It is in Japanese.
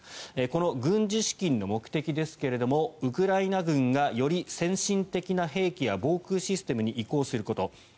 この軍事資金の目的ですがウクライナ軍がより先進的な兵器や防空システムに移行すること。